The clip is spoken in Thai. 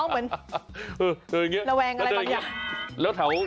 เหมือนระแวงอะไรบางอย่าง